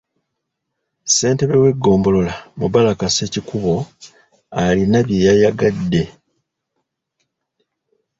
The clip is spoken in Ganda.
Ssentebe w’eggombolola, Mubarak Ssekikubo alina bye yayagedde.